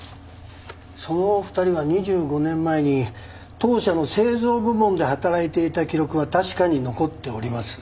その２人が２５年前に当社の製造部門で働いていた記録は確かに残っております。